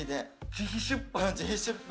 自費出版の。